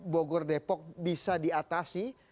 bogor depok bisa diatasi